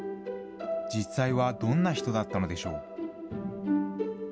実際はどんな人だったのでしょう。